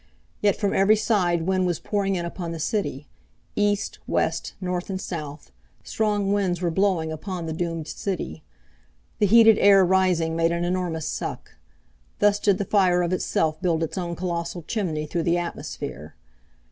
Yet from every side wind was pouring in upon the city. East, west, north, and south, strong winds were blowing upon the doomed city. The heated air rising made an enormous suck. Thus did the fire of itself build its own colossal chimney through the atmosphere.